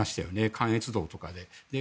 関越道とかで。